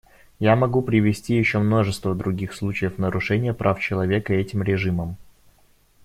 Я могу привести еще множество других случаев нарушения прав человека этим режимом.